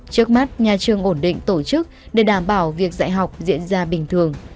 trước mắt nhà trường ổn định tổ chức để đảm bảo việc dạy học diễn ra bình thường